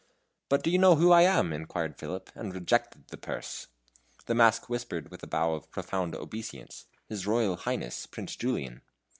"But do you know who I am?" inquired Philip, and rejected the purse. The mask whispered with a bow of profound obeisance: "His Royal Highness, Prince Julian."